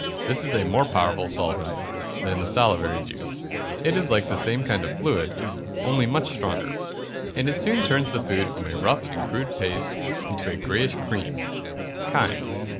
This is a more powerful solvent than the salivary juice it is like the same kind of fluid, only much stronger, and it soon turns the food from a rough and crude paste into a greyish cream (chyme).